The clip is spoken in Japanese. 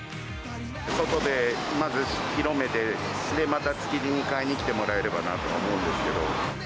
外でまず広めて、また築地に買いにきてもらえればなと思うんですけど。